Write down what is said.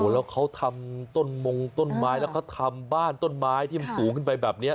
แล้วเขาทำต้นมงต้นไม้แล้วเขาทำบ้านต้นไม้ที่มันสูงขึ้นไปแบบนี้